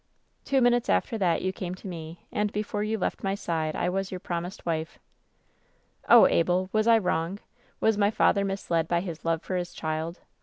"Two minutes after that you came to me, and before you left my side I was your promised wife. Oh, Abel I was I wrong? Was my father misled by his love for his child